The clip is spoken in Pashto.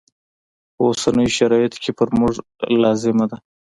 په اوسنیو شرایطو کې پر موږ لازمه ده.